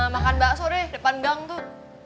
makan bakso deh depan gang tuh